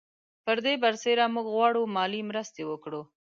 پر دې برسېره موږ غواړو مالي مرستې وکړو.